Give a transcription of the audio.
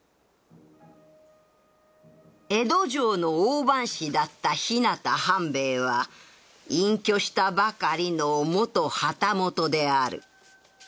江戸城の大番士だった日向半兵衛は隠居したばかりの元旗本である